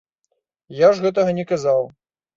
Я ж гэтага не казаў.